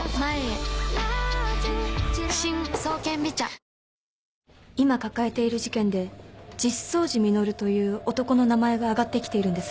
「ネンマクフェイクルージュ」今抱えている事件で実相寺実という男の名前が上がってきているんです。